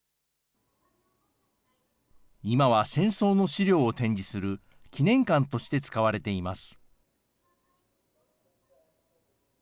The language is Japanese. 今は戦争の資料を展示する記念館として使われています。